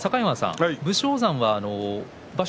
武将山が場所